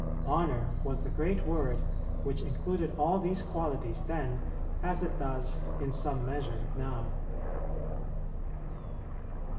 "Honor" was the great word which included all these qualities then, as it does in some measure now.